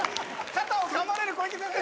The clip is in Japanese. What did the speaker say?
肩をかまれる小池先生。